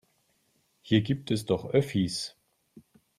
Hier gibt es doch Öffis.